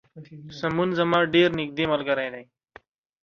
سمون زما ډیر نږدې ملګری دی